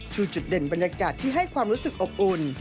คือจุดเด่นบรรยากาศที่ให้ความรู้สึกอบอุ่น